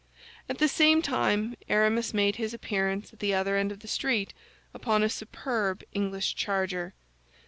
At the same time, Aramis made his appearance at the other end of the street upon a superb English charger.